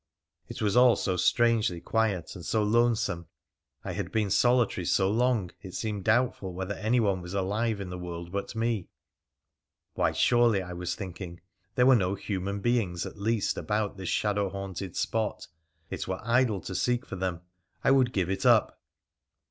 It was all so strangely quiet, and so lonesome — I had been solitary so long, it seemed doubtful whether anyone was alive in the world but me — why, surely, I was thinking, there were no human beings at least about this shadow haunted spot. It were idle to seek for them. I would give it up.